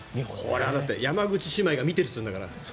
山口姉妹が見てるっていうんだから。